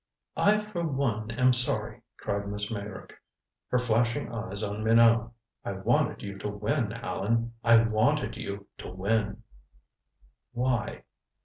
"I for one am sorry," cried Miss Meyrick, her flashing eyes on Minot. "I wanted you to win, Allan. I wanted you to win." "Why?"